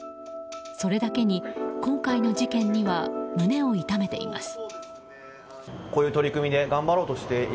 それだけに、今回の事件には胸を痛めています。